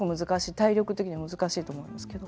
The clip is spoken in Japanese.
体力的にも難しいと思うんですけど。